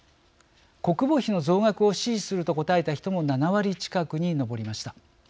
国防費の増額を支持すると答えた人も７割近くに上りました。